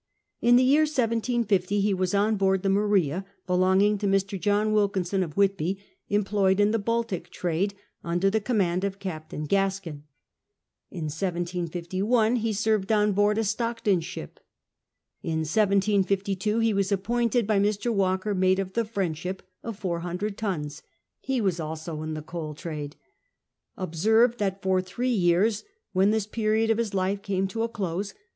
In the year 17.^0 he was on hoard the Maria, belonging to Mr. John Wilkinson of Whitby, employed in the Baltic trade, under the command of Captain • Gaskin. In 1751 he served on board a Stockton ship. In 1752 he was appointed, by Mr. Walker, mate of the Friendship^ of 400 tons. He was also in the coal trade. Observe that for three years, when this period of his life came to a close.